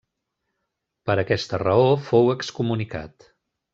Per aquesta raó fou excomunicat.